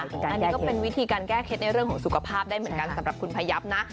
ใช่ค่ะอันนี้ก็เป็นวิธีการแก้เข็ดในสุขภาพได้เหมือนกันสำหรับคุณพะยับนะ